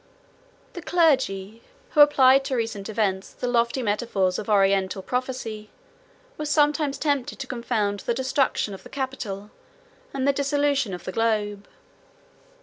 The clergy, who applied to recent events the lofty metaphors of oriental prophecy, were sometimes tempted to confound the destruction of the capital and the dissolution of the globe.